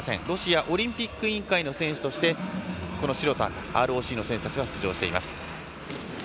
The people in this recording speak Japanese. ロシアオリンピック委員会の選手として白と赤のＲＯＣの選手たちは出場しています。